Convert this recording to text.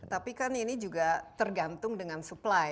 tapi kan ini juga tergantung dengan supply